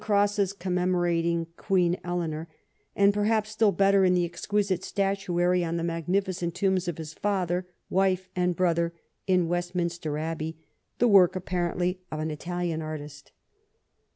crosses commemorating Queen Eleanor, and perhaps still better in the exquisite statuary on the magnificent tombs of his father, wife, and brother in Westminster Abbey, the work apparently of an Italian artist.